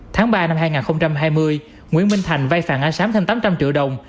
tháng ba năm hai nghìn hai mươi nguyễn minh thành vay phạm a sám thêm tám trăm linh triệu đồng